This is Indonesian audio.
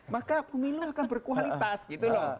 maka pemilu akan berkualitas gitu loh